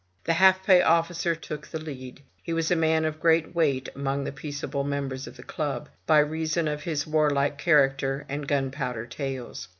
The half pay officer took the lead. He was a man of great weight among the peaceable members of the club, by reason of his warlike character and gunpowder tales.